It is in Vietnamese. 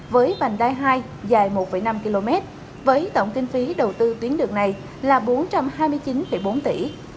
với vành đai hai dài một năm km với tổng kinh phí đầu tư tuyến đường này là bốn trăm hai mươi chín bốn tỷ